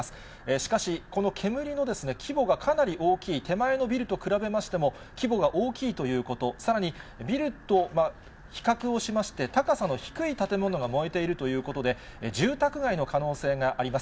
しかし、この煙の規模がかなり大きい、手前のビルと比べましても、規模が大きいということ、さらにビルと比較をしまして、高さの低い建物が燃えているということで、住宅街の可能性があります。